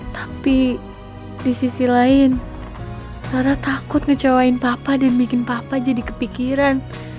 tapi di sisi lain karena takut kecewain papa dan bikin papa jadi kepikiran